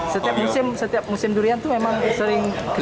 setiap musim durian itu memang sering kesini